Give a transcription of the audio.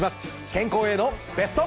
健康へのベスト。